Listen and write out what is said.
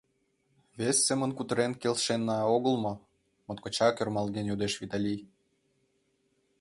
— Вес семын кутырен келшенна огыл мо? — моткочак ӧрмалген йодеш Виталий.